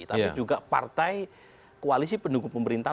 tapi juga partai koalisi pendukung pemerintah